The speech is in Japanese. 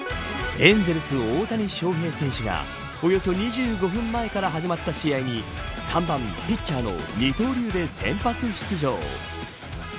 エンゼルス、大谷翔平選手がおよそ２５分前から始まった試合に３番ピッチャーの二刀流で先発出場。